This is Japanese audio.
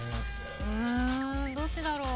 うんどっちだろう？